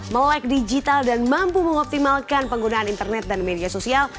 melek digital dan mampu mengoptimalkan penggunaan internet dan media sosial